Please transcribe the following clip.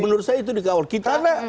menurut saya itu dikawal